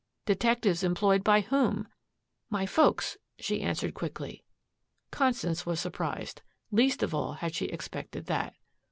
"Detectives employed by whom?" "My folks," she answered quickly. Constance was surprised. Least of all had she expected that.